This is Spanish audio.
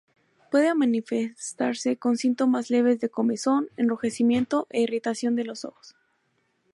Puede manifestarse con síntomas leves de comezón, enrojecimiento e irritación de los ojos.